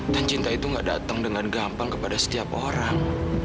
dan cinta itu gak dateng dengan gampang kepada setiap orang